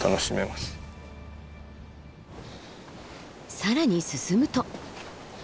更に進むと。